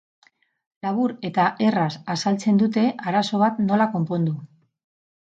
Labur eta erraz azaltzen dute arazo bat nola konpondu.